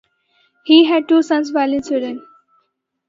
He had two sons while in Sweden.